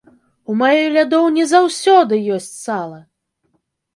У маёй лядоўні заўсёды ёсць сала!!!